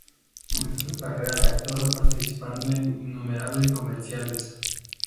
Comenzó su carrera de actor participando en innumerable comerciales.